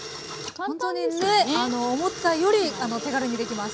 ほんとにね思ったより手軽にできます。